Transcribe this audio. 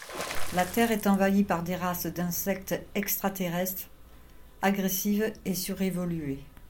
La Terre est envahie par des races d'insectes extraterrestres agressifs et surévolués.